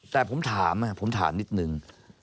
แต่ผมถามนิดหนึ่ง